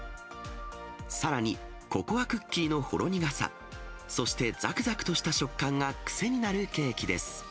さらに、ココアクッキーのほろ苦さ、そして、ざくざくとした食感が癖になるケーキです。